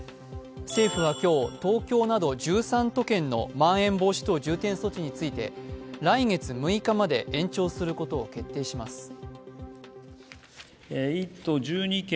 政府は今日、東京など１３都県のまん延防止等重点措置について来月６日まで延長することを決定します。